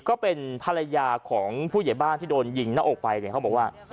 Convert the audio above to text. ก็เป็นภรรยาของผู้ใหญ่บ้านที่โดนยิงหน้าอกไปเนี่ยเขาบอกว่า